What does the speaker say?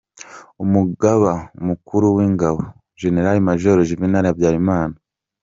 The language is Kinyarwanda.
Umugaba mukuru w’ingabo: Gen Major Juvénal Habyalimana